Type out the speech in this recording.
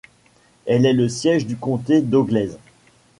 Elle est le siège du comté d'Auglaize.